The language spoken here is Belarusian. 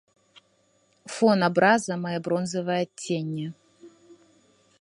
Фон абраза мае бронзавае адценне.